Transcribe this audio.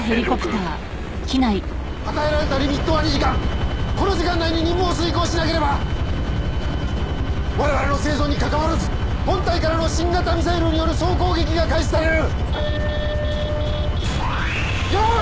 上空与えられたリミットは２時間この時間内に任務を遂行しなければ我々の生存にかかわらず本隊からの新型ミサイルによる総攻撃が開始される用意！